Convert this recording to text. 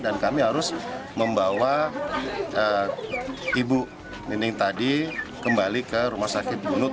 dan kami harus membawa ibu nining tadi kembali ke rumah sakit bunut